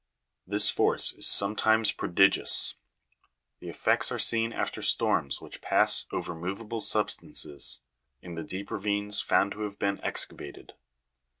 This force is some times prodigious. The effects are seen after storms which pass over moveable substances, in the deep ravines found to have been excavated.